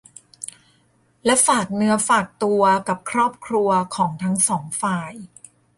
และฝากเนื้อฝากตัวกับครอบครัวของทั้งสองฝ่าย